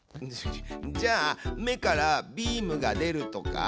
じゃあ目からビームが出るとか？